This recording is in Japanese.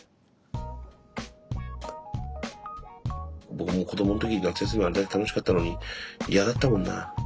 僕も子どもの時夏休みあれだけ楽しかったのに嫌だったもんな。